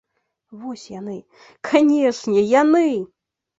Вось яны, канешне, яны!